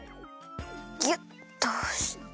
ギュッとおして。